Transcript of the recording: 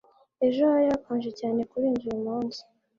Ejo hari hakonje cyane kurenza uyumunsi